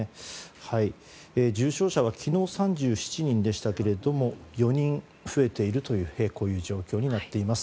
重症者は昨日３７人でしたが４人増えているという状況になっています。